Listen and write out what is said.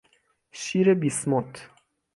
شیر بیسموت